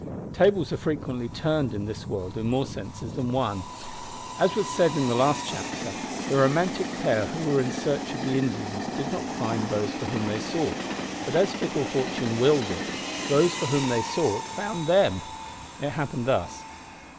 Tables are frequently turned in this world in more senses than one. As was said in the last chapter, the romantic pair who were in search of the Indians did not find those for whom they sought but as fickle fortune willed it, those for whom they sought found them. It happened thus.